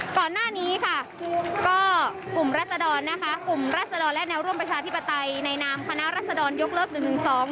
ก่อนหน้านี้ค่ะก็กลุ่มรัศดรนะคะกลุ่มรัศดรและแนวร่วมประชาธิปไตยในนามคณะรัศดรยกเลิกหนึ่งหนึ่งสอง